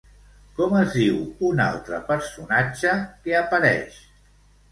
Com es diu un altre personatge que apareix?